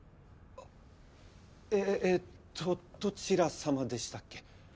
ええっとどちら様でしたっけ？